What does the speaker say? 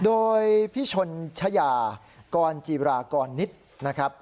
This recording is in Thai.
โดยพี่ชนชายากรจีรากรนิดนะครับ